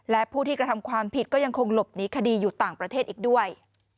และผู้ที่กระทำความผิดก็ยังคงหลบหนีคดีอยู่ต่างประเทศอีกด้วย